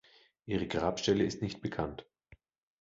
Ihre Grabstelle ist nicht bekannt.